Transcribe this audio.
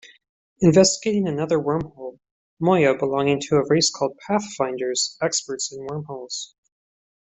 Investigating another wormhole, Moya belonging to a race called Pathfinders, experts in wormholes.